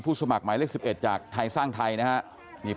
สมัครหมายเลข๑๑จากไทยสร้างไทยนะครับ